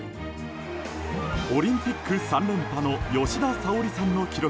オリンピック３連覇の吉田沙保里さんの記録